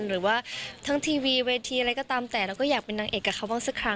หรือว่าทั้งทีวีเวทีอะไรก็ตามแต่เราก็อยากเป็นนางเอกกับเขาบ้างสักครั้ง